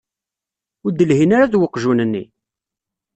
Ur d-lhin ara d weqjun-nni?